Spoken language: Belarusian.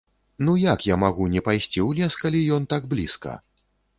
Ну як я магу не пайсці ў лес, калі ён так блізка?